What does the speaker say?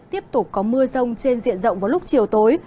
tiếp tục có mưa rông trên diện rộng vào lúc chiều tối